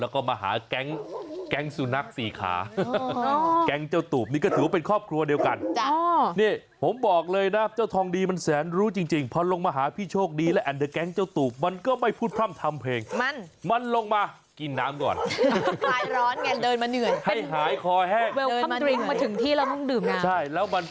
คือสวนตรงนี้ของพี่โชคดีเนี่ยเจ้าทองดีมันมาประจำ